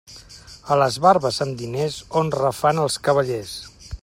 A les barbes amb diners honra fan els cavallers.